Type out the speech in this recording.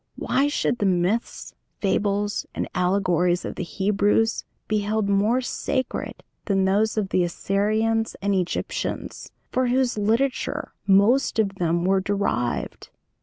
Why should the myths, fables, and allegories of the Hebrews be held more sacred than those of the Assyrians and Egyptians, from whose literature most of them were derived?